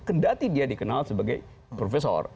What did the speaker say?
kendati dia dikenal sebagai profesor